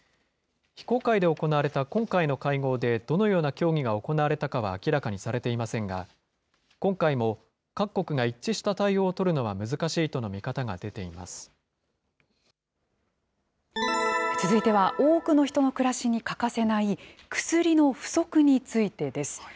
非公開で行われた今回の会合でどのような協議が行われたかは明らかにされていませんが、今回も各国が一致した対応を取るのは難し続いては、多くの人の暮らしに欠かせない薬の不足についてです。